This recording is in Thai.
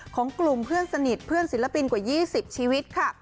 ของกลุ่มเพื่อนสนิทเพื่อนศิลปินกว่า๒๐ชีวิตค่ะ